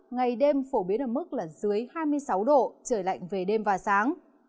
ngày đêm phổ biến ở mức là dưới hai mươi sáu độ trời lạnh về đêm và sáng